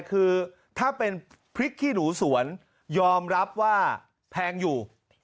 คือถ้าเป็นพริกขี้หนูสวนยอมรับว่าแพงอยู่